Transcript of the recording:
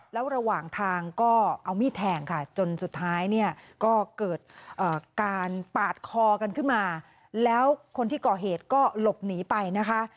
แล้วระหว่างทางก็เอามีดแทงค่ะจนสุดท้ายเนี่ยก็เกิดการปาดคอกันขึ้นมาแล้วคนที่ก่อเหตุก็หลบหนีไปนะคะ